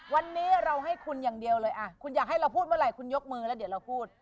วันนี้เราให้คุณอย่างเดียวเลยคุณอยากให้เราพูดเมื่อไหร่คุณยกมือแล้วเดี๋ยวเราพูด